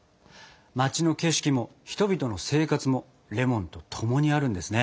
街の景色も人々の生活もレモンと共にあるんですね。